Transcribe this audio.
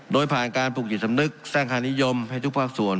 โดยผ่านการปลูกจิตสำนึกสร้างค่านิยมให้ทุกภาคส่วน